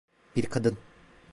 Bir kadın.